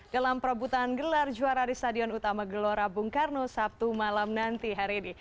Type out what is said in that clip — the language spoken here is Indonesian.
dalam perebutan gelar juara di stadion utama gelora bung karno sabtu malam nanti hari ini